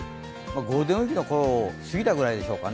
ゴールデンウイークのころを過ぎたくらいでしょうか。